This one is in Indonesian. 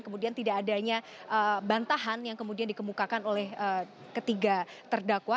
kemudian tidak adanya bantahan yang kemudian dikemukakan oleh ketiga terdakwa